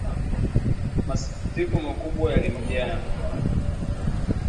Masikitiko makubwa yalimjaa